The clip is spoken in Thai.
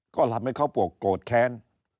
ก็ทำให้เขาโกรธแค้น